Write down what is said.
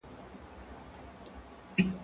زه به اوږده موده انځور ليدلی وم!.